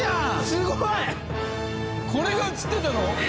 すごい！これが写ってたの？